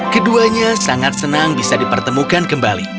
keduanya sangat senang bisa dipertemukan kembali